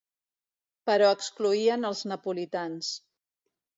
Però excloïen els napolitans.